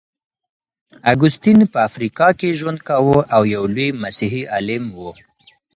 اګوستين په افریقا کي ژوند کاوه او يو لوی مسيحي عالم و.